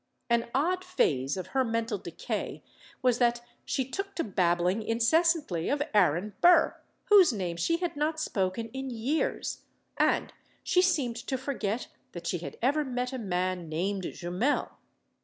An odd phase of her mental decay was that she took to babbling incessantly of Aaron Burr whose name she had not spoken in years and she seemed to forget that she had ever met a man named Jumel.